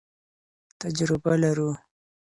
تجربه لرو.